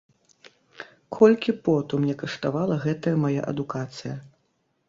Колькі поту мне каштавала гэтая мая адукацыя.